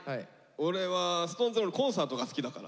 俺はＳｉｘＴＯＮＥＳのコンサートが好きだから。